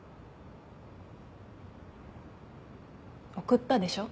送ったでしょ。